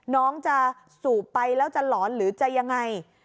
น้องจะสูบไปแล้วจะหลอนหรือจะยังไง